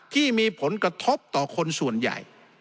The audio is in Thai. ที่มีผลกระทบต่อคนส่วนใหญ่